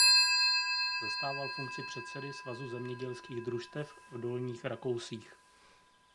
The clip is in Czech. Zastával funkci předsedy Svazu zemědělských družstev v Dolních Rakousích.